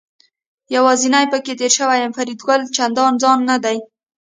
یوازې پکې تېر شوی یم، فرید وویل: چندان ځای نه دی.